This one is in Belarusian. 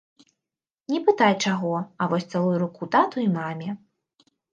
Не пытай чаго, а вось цалуй руку тату і маме!